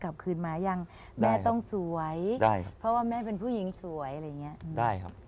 เขียนกลับกลับมายังแม่ต้องสวยเพราะว่าแม่เป็นผู้หญิงสวยอะไรอย่างนี้แล้วก็จะเลยออกไป